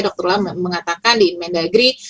dr lola mengatakan di inmen degree